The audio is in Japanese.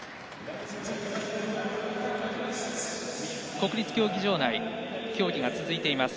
国立競技場内競技が続いています。